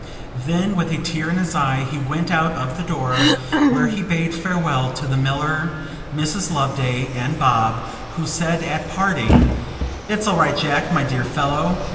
Then with a tear in his eye he went out of the door, where he bade farewell to the miller, Mrs. Loveday, and Bob, who said at parting, 'It's all right, Jack, my dear fellow.